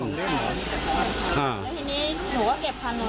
แล้วทีนี้หนูก็เก็บคาหนูเสร็จแล้วหนูก็ก้มมาหยิบคาหนู